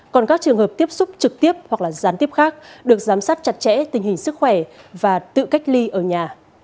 còn các trường hợp tiếp xúc trực tiếp hoặc là gián tiếp khác được giám sát chặt chẽ tình hình sức khỏe và tự cách ly ở nhà